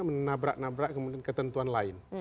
ini kan menabrak nabrak kemudian ketentuan lain